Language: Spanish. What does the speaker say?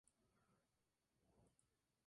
Gran parte de su vida es desconocida.